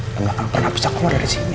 yang gak akan pernah bisa keluar dari sini